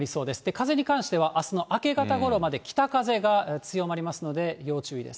風に関しては、あすの明け方ごろまで北風が強まりますので、要注意です。